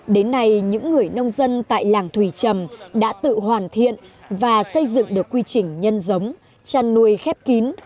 đến nay những người nông dân tại làng thủy trầm đã tự hoàn thiện và xây dựng được quy trình nhân rỗng nuôi thả đúc rút kinh nghiệm